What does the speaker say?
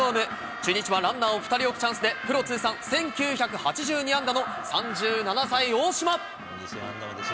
中日はランナーを２人置くチャンスで、プロ通算１９８２安打の３７歳大島。